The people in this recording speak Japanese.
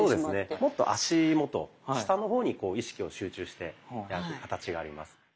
もっと足元下の方に意識を集中してやる形があります。